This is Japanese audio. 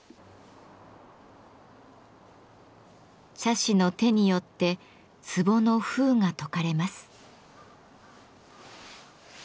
茶師の手によって壺の封が解かれます。